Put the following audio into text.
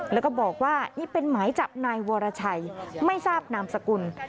แล้วก็บอกว่านี่เป็นหมายจับนายวรชัยไม่ทราบนามสกุล